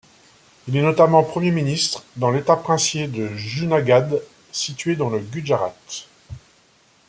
Il est notamment Premier ministre dans l'État princier de Junagadh, situé dans le Gujarat.